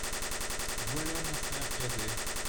Voilà mon frère cadet.